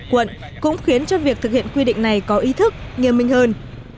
quận cũng khiến cho việc thực hiện quy định này có ý thức nghiêm minh hơn